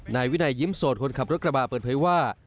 นายวินัยยิ้มโสดคนขับรถกระบะเปิดเผยว่า